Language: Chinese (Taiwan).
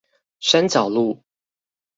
山腳路